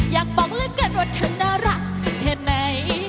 อยากบอกเลยกันว่าเธอน่ะรักเท่าไหม